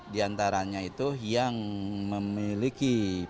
di antaranya itu yang memiliki